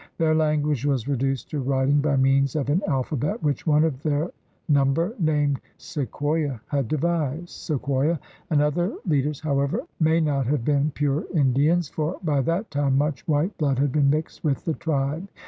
Their language was reduced to writing by means of an alphabet which one of their number named Sequoya had devised. Sequoya and other leaders, however, may not have been pure Indians, for by that time much white blood had been mixed with the tribe.